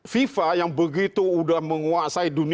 fifa yang begitu udah menguasai dunia sepanjang tahun ini